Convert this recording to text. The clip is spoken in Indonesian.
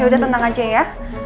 yaudah tentang aja ya